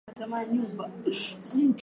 Na uongo wanini? Mwogope Mungu.